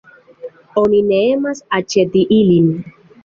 Oni ne emas aĉeti ilin.